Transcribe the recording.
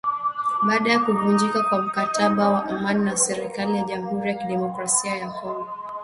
baada ya kuvunjika kwa mkataba wa amani na serikali ya Jamhuri ya kidemokrasia ya Kongo